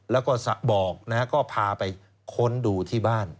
แล้วก็บอกนะก็พารสมาคันไปดูที่บ้าน